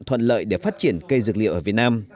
thuận lợi để phát triển cây dược liệu ở việt nam